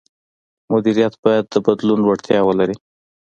مدیریت باید د بدلون وړتیا ولري.